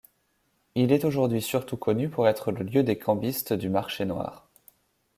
Il est aujourd'hui surtout connu pour être le lieu des cambistes du marché noir.